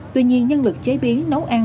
tuy nhiên nhân lực chế biến nấu ăn